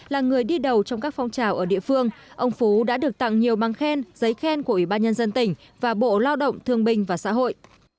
là người đi đầu trong các phong trào ở địa phương ông phú đã được tặng nhiều băng khen giấy khen của ủy ban nhân dân tỉnh và bộ lao động thương bình và xã hội